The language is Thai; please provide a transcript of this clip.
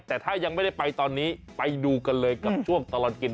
แต่ถ้ายังไม่ได้ไปตอนนี้ไปดูกันเลยกับช่วงตลอดกิน